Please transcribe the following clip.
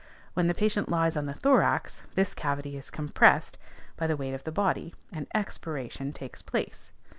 (When the patient lies on the thorax, this cavity is compressed by the weight of the body, and _ex_piration takes place.